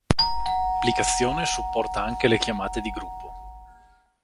L'applicazione supporta anche le chiamate di gruppo.